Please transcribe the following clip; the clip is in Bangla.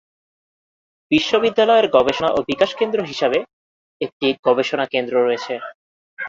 বিশ্ববিদ্যালয়ের গবেষণা ও বিকাশ কেন্দ্র হিসাবে একটি গবেষণা কেন্দ্র রয়েছে।